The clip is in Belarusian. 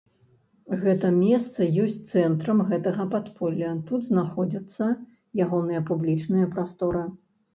Гэтае месца ёсць цэнтрам гэтага падполля, тут знаходзіцца ягоная публічная прастора.